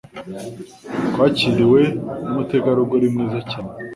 Twakiriwe numutegarugori mwiza cyane.